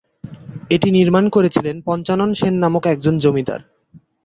এটি নির্মাণ করেছিলেন পঞ্চানন সেন নামক একজন জমিদার।